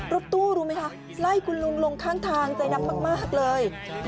รถตู้รู้ไหมคะไล่คุณลุงลงข้างทางใจดำมากเลย